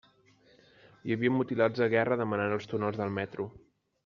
Hi havia mutilats de guerra demanant als túnels del metro.